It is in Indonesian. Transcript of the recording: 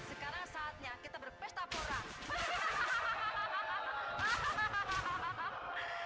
sekarang saatnya kita berpesta putra